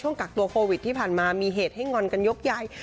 กักตัวโควิดที่ผ่านมามีเหตุให้งอนกันยกใหญ่